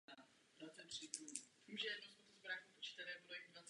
O rok později zemřel v Mariánských Lázních a je pohřben v Klášteře Teplá.